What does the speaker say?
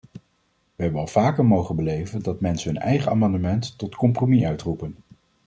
We hebben al vaker mogen beleven dat mensen hun eigen amendementen tot compromis uitroepen.